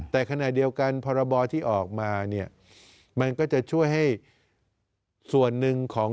แต่ขณะเดียวกันพรบที่ออกมาเนี่ยมันก็จะช่วยให้ส่วนหนึ่งของ